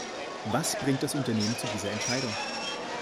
Was bringt das Unternehmen zu dieser Entscheidung?